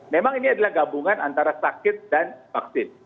memang ini adalah gabungan antara sakit dan vaksin